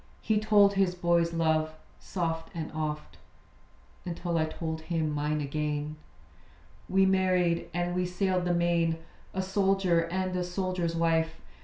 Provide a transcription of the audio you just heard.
He told his boy's love, soft and oft, Until I told him mine again. We married, and we sailed the main; A soldier, and a soldier's wife.